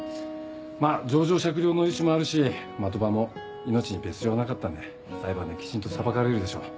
まぁ情状酌量の余地もあるし的場も命に別状はなかったんで裁判できちんと裁かれるでしょう。